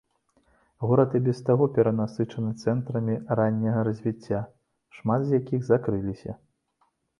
Горад і без таго перанасычаны цэнтрамі ранняга развіцця, шмат з якіх закрыліся.